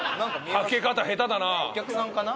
はけ方下手だな。